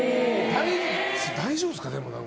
大丈夫ですか？